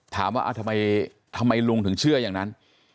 ถามว่าอะไรทำไมลุงจะเชื่ออย่างนั้น